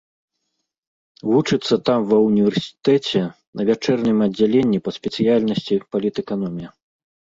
Вучыцца там ва універсітэце, на вячэрнім аддзяленні па спецыяльнасці палітэканомія.